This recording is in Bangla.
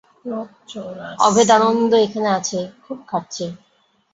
অভেদানন্দ এখানে আছে, খুব খাটছে।